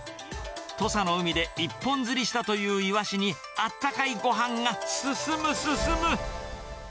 土佐の海で一本釣りしたといういわしに、あったかいごはんが進む、進む。